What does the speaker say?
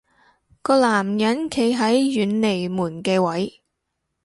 個男人企喺遠離門嘅位